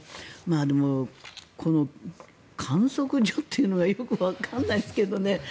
でも、観測所というのがよくわからないんですけどね。